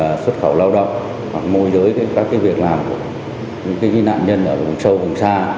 là xuất khẩu lao động hoặc môi giới các việc làm của những nạn nhân ở vùng sâu vùng xa